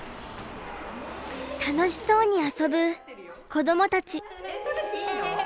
楽しそうに遊ぶ子どもたち。